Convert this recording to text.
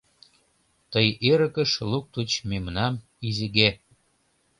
Тый эрыкыш луктыч мемнам Изиге.